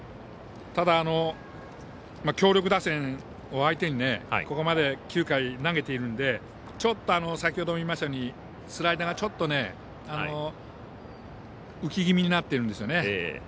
ただ、強力打線を相手にここまで９回、投げているので先ほども言いましたようにスライダーがちょっと浮き気味になってるんです。